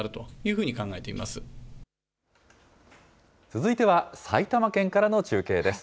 続いては埼玉県からの中継です。